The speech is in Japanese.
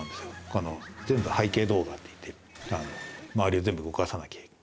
この全部「背景動画」って言って周りを全部動かさなきゃ。